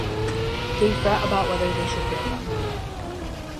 They fret about whether they should burn them.